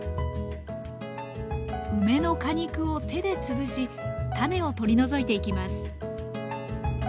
梅の果肉を手で潰し種を取り除いていきます